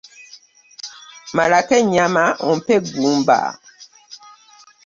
Malako enyama ompe eggumba .